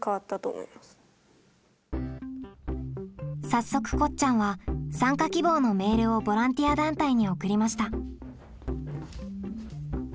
早速こっちゃんは参加希望のメールをボランティア団体に送りました。